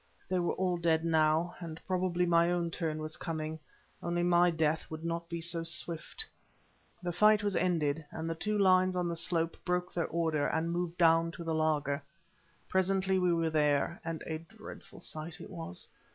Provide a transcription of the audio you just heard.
They were all dead now, and probably my own turn was coming, only my death would not be so swift. The fight was ended, and the two lines on the slope broke their order, and moved down to the laager. Presently we were there, and a dreadful sight it was.